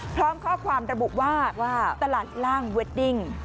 พร้อมข้อความระบุว่าตลาดล่างเวดดิ้ง